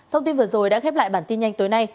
thông tin vừa rồi đã khép lại bản tin nhanh tối nay